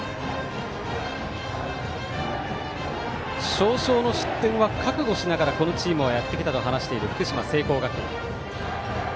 少々の失点は覚悟しながらこのチームはやってきたと話している福島・聖光学院。